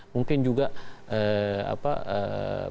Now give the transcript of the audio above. mungkin juga bagaimana saham arab saudi